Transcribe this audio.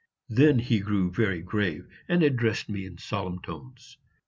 Then he grew very grave, and addressed me in solemn tones.